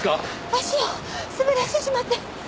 足を滑らせてしまって。